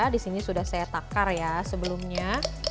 di sini sudah saya takar ya sebelumnya